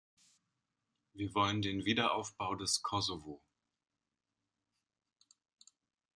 Wir wollen den Wiederaufbau des Kosovo.